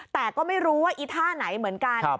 แต่ก็ไม่รู้ว่าอีท่าไหนเหมือนกัน